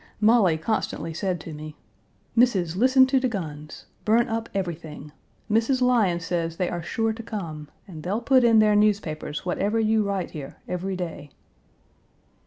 Molly constantly said to me, "Missis, listen to de guns. Burn up everything. Mrs. Lyons says they are sure to come, and they'll put in their newspapers whatever you write here, every day."